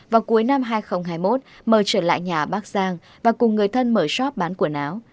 vào cuối năm hai nghìn hai mươi một mờ trở lại nhà bác giang và cùng người thân mở shop bán quần áo